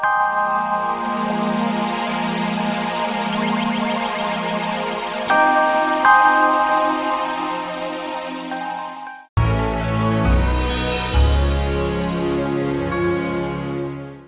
jangan lupa subscribe channel ini